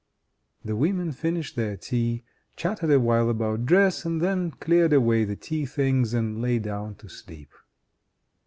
The women finished their tea, chatted a while about dress, and then cleared away the tea things and lay down to sleep.